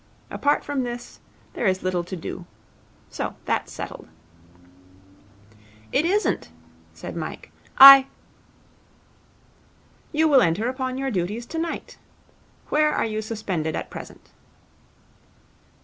Apart from this, there is little to do. So that's settled.' 'It isn't,' said Mike. 'I ' 'You will enter upon your duties tonight. Where are you suspended at present?'